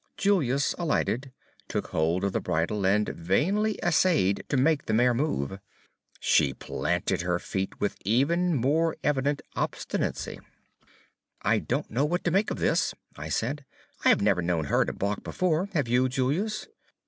Julius alighted, took hold of the bridle, and vainly essayed to make the mare move. She planted her feet with even more evident obstinacy. "I don't know what to make of this," I said. "I have never known her to balk before. Have you, Julius?"